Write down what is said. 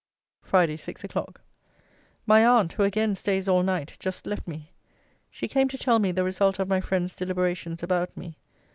FRIDAY, SIX O'CLOCK. My aunt, who again stays all night, just left me. She came to tell me the result of my friends' deliberations about me.